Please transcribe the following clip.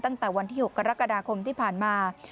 ตั้งแต่วันที่๖กรกฎาคมที่ผ่านมา